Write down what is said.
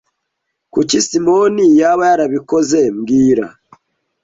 Kuki Simoni yaba yarabikoze mbwira